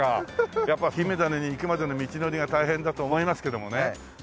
やっぱり金メダルにいくまでの道のりが大変だと思いますけどもね。